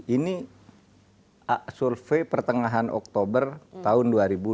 ini survei pertengahan oktober tahun dua ribu dua puluh